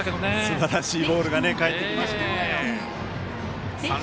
すばらしいボールが返ってきましたね。